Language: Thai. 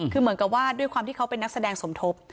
คือเหมือนกับว่าด้วยความที่เขาเป็นนักแสดงสมทบ